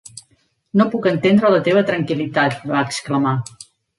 "No puc entendre la teva tranquil·litat", va exclamar.